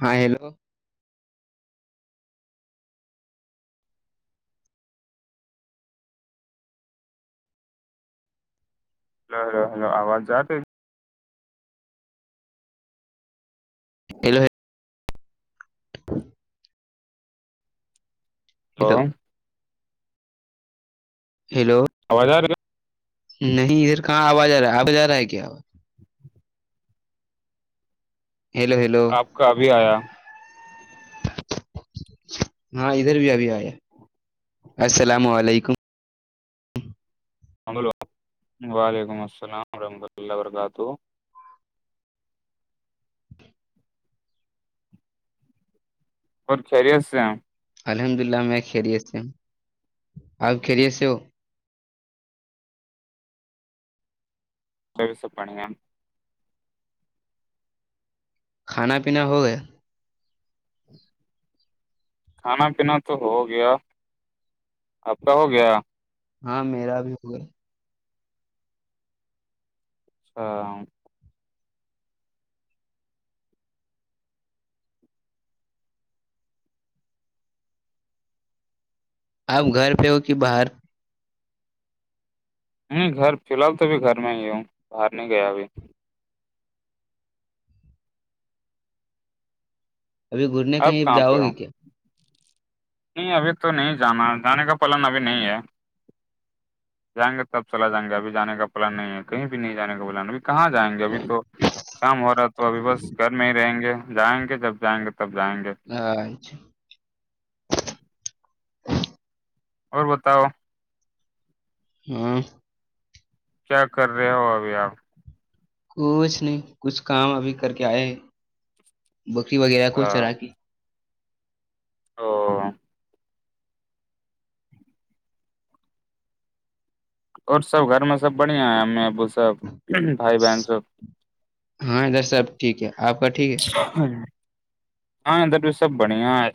ہاں ہیلو ہاں hello hello آواز جاتی ہیلو ہیلو ہلو ہیلو ہازار کا نہیں ادھر کہاں آواز آ رہا ہے آباز جا رہا ہے کیا آاز ہیلو ہیلو ہے آپ کا بھیھی آیا ہاں ادھر بھی ابھی آیا السلام علیکم ہلو وعلیکم السلام ورحمۃ اللہ وبرکاتہ اور خری سے الحمد للہ میں خیریت سے ہوں آپ خیریت سے ہو سوس پانی گ کھانا پینا ہو گیا کھانا پینا تو ہو گیا آپ کا ہو گیا ہاں میرا بھی ہوگا ہاں آپ گھر پہ ہو کہ باہر نہیں گھر فی الحال تو بھی گھر میں ہی ہوں باہر نہیں گیا ابھی ابھی گھرنے اب کہیں کہاں پہ جاؤ ہ گے کیا نہیں ابھی تو نہیں جانا ہے جانے کا پلن ابھی نہیں ہے جائیں گے تب چلا جائیں گے ابھی جان کا پلان نہیں ہے کہیں بھی نہیں جانے کا بلان اب کہاں جائیں گے ابھی تو شام ہو رہا ہے تو ابھی بس گھر میں ہی رہیں گے جائیں گے جب جائیں گے تب جائیں گے ااںچھا اور بتاؤ ہاں کیا کر رہے ہو ابھی آپ کچھ نہیں کچھ کام ابھی کر کے آئے ہیں بکری وغیرہ کو اچھا چرا کے او اور سب گھر میں سب بڑھیا ہیں ا ابو سب بھائی بہن سب ہاں ادھر صحب ٹھیک ہے آپ کا ٹھیک ہے ہ ہاںدر بھی سب بڑھیا ہے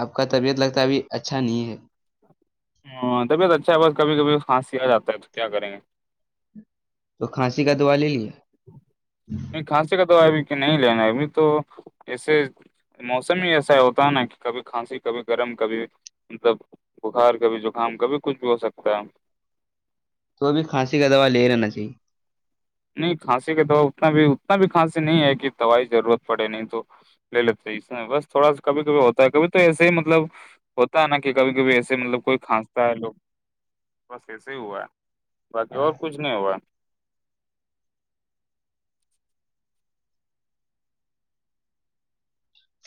آپ کا طبیعت لگتا ہے ابھی اچھا نہیں ہے ہاں طبیعت اچھا ہے بس کبھی کبھیھانسی آ جاتا ہے تو کیا کریں گے تو کھانسی کا دعا لے لیا نہیں کھانسی کا تو ابھی کہ نہیں لینا ہے ابھی تو ایسے موسم ہی ایسا ہوتا ہے نا کہ کبھی کھانسی کبھی گرم کبھی مطلب بخار کبھی زکام کبھی کچھ بھی ہو سکتا ہے تو بھی کھانسی کا دوا لے رہا نا صی نہیں کھانسی کا دوا اتنا بھی اتنا بھی کھانسی نہیں ہے کہ دوائی کی ضرورت پڑے نہیں تو لے لیتے ہیں اس بس تھوڑا سا کبھی کبھی ہوتا ہے کبھی تو ایسے ہی مطلب ہوتا ہے نا کہ کبھی کبھی ایسے مطلب کوئی کھانستا ہے لوگ بس ایسے ہی ہوا ہے باقی اور کچھ نہیں ہوا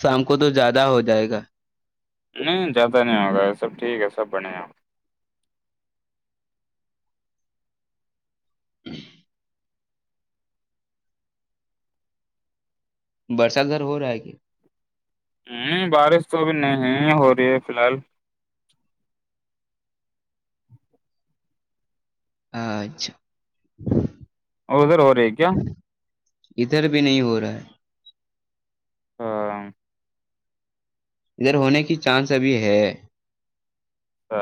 شام کو تو زیادہ ہو جائے گا نہیں زیادہ نہیں ہوگا یہ سب ٹھیک ہے سب بنے ہیں ہوں [unintelligible] برسات اھر ہو رہا ہے کہ ہوں بارش تو ابھی نہیں ہو رہی ہے فی الحال اچھا ہو سر اور ر کیا [unintelligible] ادھر بھی نہیں ہو رہا ہے ہاں ادھر ہونے کی چانس ابھی ہے ا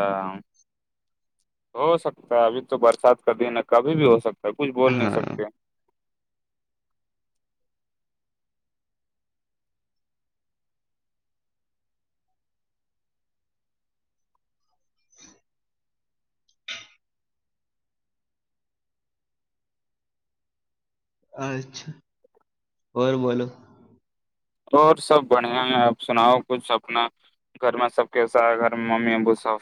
ہو سکتا ہے ابھی تو برسات کا دن ہے کبھی بھی ہو سکتا س کچھ بول نہیں ہاں سکتے اچھا اور بولو سب اور سب بڑھیا ہے آپ سناؤ کچھ اپنا گھر میں سب کے سا ہے گھر میں ممی ابو سب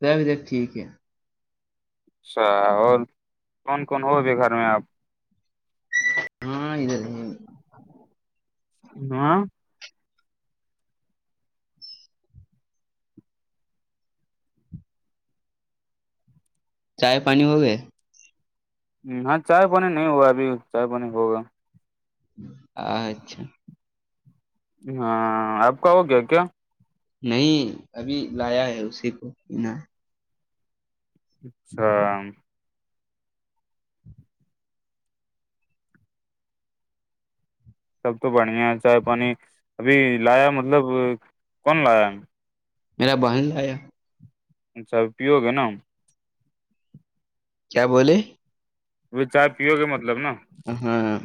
د بھی ٹھیک ہے [unintelligible] اچھا اور کون کون ہوگی گھر میں آپ ہاں [unintelligible] ہاں چائے پانی ہو گئے ہاں چائے پانی نہیں ہوا ابھی چائے پانی ہوگا اچھا ہاں آپ کا ہو گیا کیا نہیں ابھی لایا ہے اسی کو پینا اچھا سب تو بڑھیا ہے چائے پانی ابھی لایا مطلب کون لایا میرا بہن لایا اچھا ا پیوگ ہے نا [unintelligible] کیا بولیے وہ چائے پیو کے مطلب نا [unintelligible] ہاں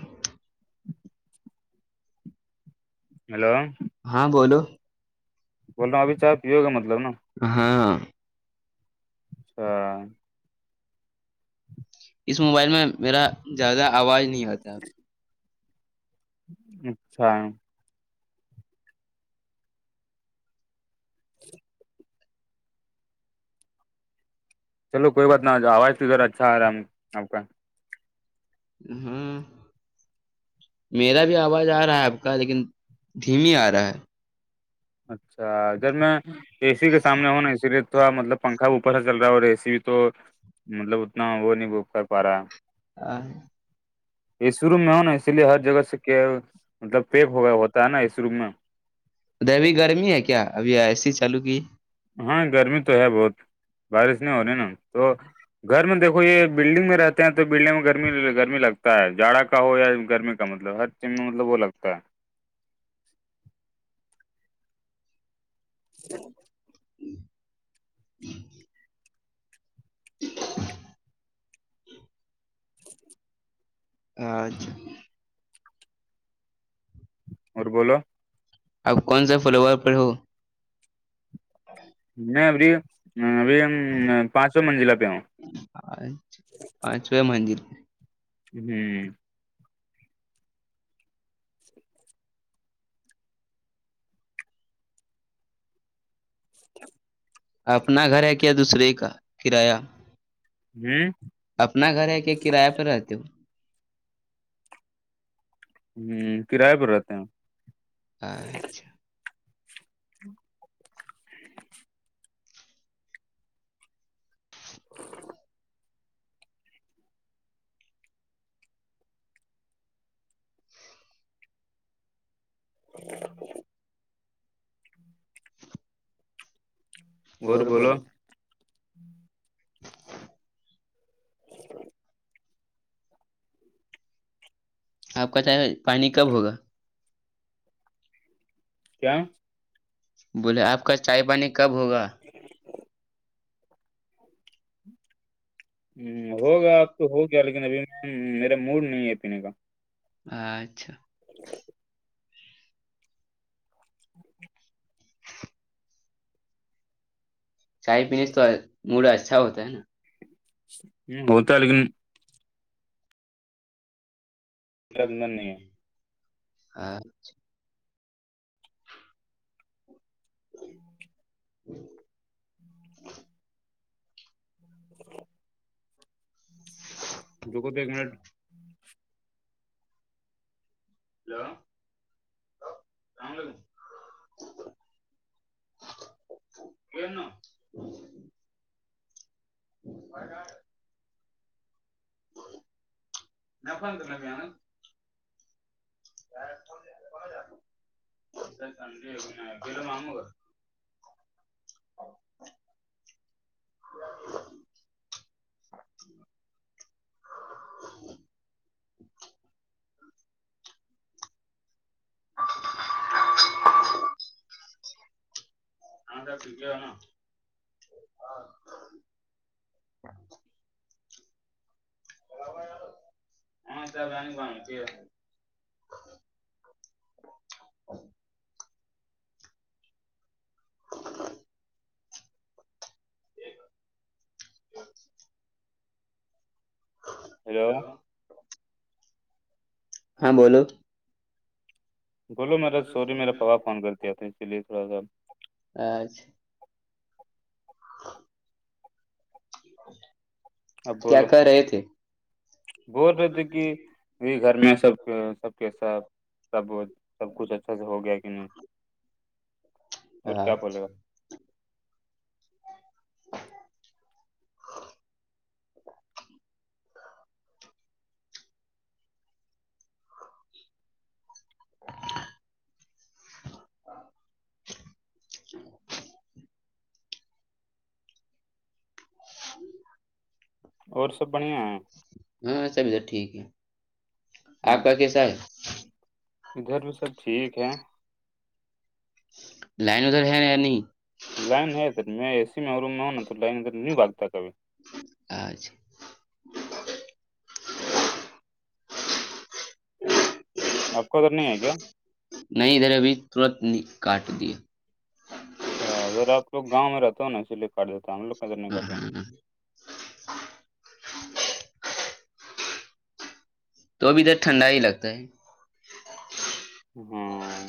ہیلو ہاں بولو بول رہاوں ابھی چائے پیو گا مطلب نہ ہاں ہاں [unintelligible] اس موبائل میں میرا زیادہ آواز نہیں آتا [inaudible] اچھا [inaudible] چلو کوئی بات نہ آواز تو ادھر اچھا آ رہا ہے آپ کا ہاں میرا بھی آواز آ رہا ہے آپ کا لیکن دھیمی آ رہا ہے اچھا جب میں اے سی کے سامنے ہوں نا اسی لیے تھوڑا مطلب پنکھا اوپر سے چل رہا ہے اور اے سی بھی تو مطلب اتنا وہ نہیں ب کر پا رہا ہے [unintelligible] یہ شرو میں ہو نا اسی لیے ہر جگہ سے کیا مطلب پیک ہو گیا ہوتا ت نا اس روک میں ا ابھی گرمی ہے کیا ابھی ایسی چالو کی ہاں گرمی تو ہے بہت بارش نہیں ہو رہی نا تو گھر میں دیکو یہ بلڈنگ میں رہتے ہیں تو بلڈنگ میں گرمی گرمی لگتا ہے جاڑا کا ہو یا گرمی کا مطلب ہر چیز میں مطلب وہ لگتا ہے [inaudible] [inaudible] ا اچھا اور بولو آپ کون سا فالوور پر ہو [inaudible] میں ابھی ابھی پانچو منزلہ پہ ہوں پچ پانچویں مندر ہوں اپنا گھر ہے کیا دوسرے کا کرایہ ہوں اپنا گھر ہے کہ کرایہ پرہ رہتے ہو ہوں کرای پر رہتے ہیں اچھا [inaudible] [inaudible] اور بولو [inaudible] آپ کا چاہے پانی کب ہوگا کیا بولے آپ کا چائے پانی کب ہوگا ہ ہوگا اب تو ہو گیا لیکن ابھی میرا موڈ نہیں ہے پینے کا اچھا [inaudible] چائے پینے سے تو موڈ اچھا ہوتا ہے نا ہم، ہوتا ہے لیکن اندر نہیں ہے ہاں [inaudible] جوگ دھ ہلو [unintelligible] نپان کر میں آان کلو مانگو گ ہاں ٹھیک ہے ہے نا ہاں چ ج بان ہیلو ہاں بولو بولو میرا سوری میرا پاپا فون کرتےتا تھا اسی لیے تھوڑا سا اچھا ہاں اب کیا بولو کر رہے تھے بول رہے تھے کہ یہ گھر میں سب کے سب کیسا سب سب کچھ اچھا سے ہو گیا کہ نہیں اور کیا ااںچھا بولے گا [inaudible] اور سب بڑھیا ہیں ہاں سبھی ٹھیک ہے ہاں آپ کا جی کیسا ہے ادھر بھی سب ٹھیک ہے لائن ادھر ہے یا نہیں لائن ہے میں اسی میں اور روم میں ہوں نا تو لائن نہیں بھگتا کبھی اچھا [inaudible] [inaudible] آپ کو ادھر نہیں ہے کیا نہیں ادھر ابھی ترت کاٹ دیا اچھا آلوگاؤں رہ ہو نا اسیے کاٹ دیتا ہے ہم لوگ کا ادھر نہیں ہاں کاٹتا ہاں تو اب توھر ٹھنڈا ہی لگتا ہے ہوں